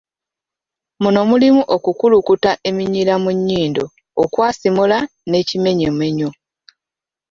Muno mulimu okukulukuta eminyira mu nnyindo, okwasimula n’ekimenyomenyo.